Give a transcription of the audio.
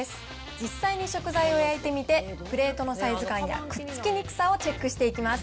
実際に食材を焼いてみて、プレートのサイズ感やくっつきにくさをチェックしていきます。